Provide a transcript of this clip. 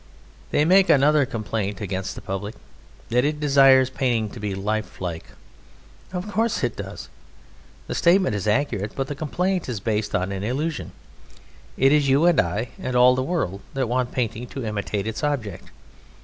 They make another complaint against the public, that it desires painting to be lifelike. Of course it does! The statement is accurate, but the complaint is based on an illusion. It is you and I and all the world that want painting to imitate its object.